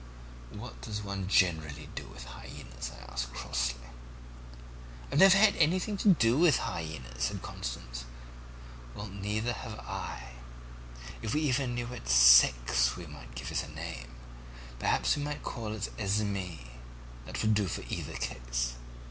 "'What does one generally do with hyaenas?' I asked crossly. "'I've never had anything to do with one before,' said Constance. "'Well, neither have I. If we even knew its sex we might give it a name. Perhaps we might call it Esmé. That would do in either case.'